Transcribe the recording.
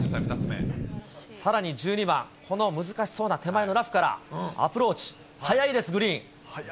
さらに１２番、この難しそうな手前のラフからアプローチ、速いです、グリーン。